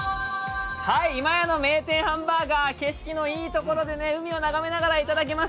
今屋の名店ハンバーガー、景色のいいところで海を眺めながらいただきます。